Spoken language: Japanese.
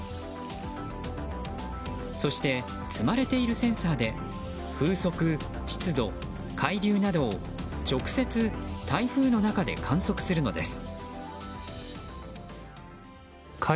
そして、積まれているセンサーで風速、湿度、海流などを直接、台風の中で観測するのです。